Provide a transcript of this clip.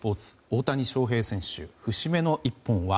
大谷翔平選手、節目の一本は